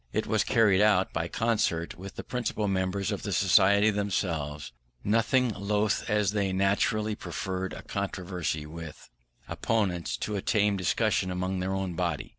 It was carried out by concert with the principal members of the Society, themselves nothing loth, as they naturally preferred a controversy with opponents to a tame discussion among their own body.